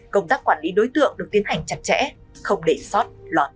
công tác quản lý đối tượng được tiến hành chặt chẽ không để sót lọt